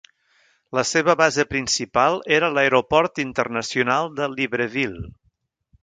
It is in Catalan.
La seva base principal era l'Aeroport Internacional de Libreville.